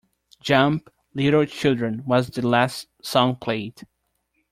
"Jump, Little Children" was the last song played.